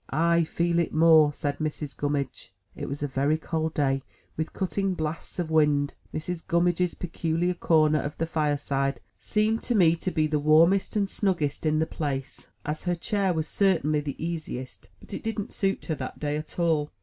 "I feel it more," said Mrs. Gummidge. It was a very cold day, with cutting blasts of wind. Mrs. Gummidge's peculiar comer of the fireside seemed to me to be the warmest and snuggest in the place, as her chair was certainly the easiest, but it didn't suit her that day at all.